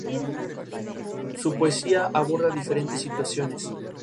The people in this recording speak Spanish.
Es actualmente el Director Principal de la Orquesta Filarmónica de Budapest.